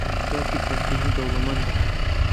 باوکی فاتیمە دەوڵەمەندە.